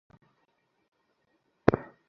অতএব সমষ্টিরূপে জগৎ গতিহীন, পরিণামহীন।